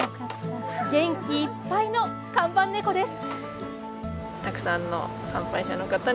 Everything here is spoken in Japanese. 元気いっぱいの看板猫です。